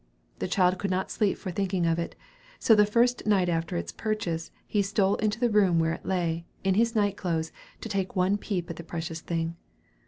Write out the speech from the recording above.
The child could not sleep for thinking of it; so the first night after its purchase he stole into the room where it lay, in his night clothes, to take one peep at the precious thing.